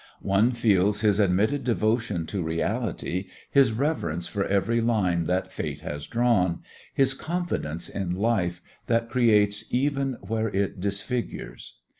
One feels his admitted devotion to reality, his reverence for every line that fate has drawn, his confidence in life that creates even where it disfigures.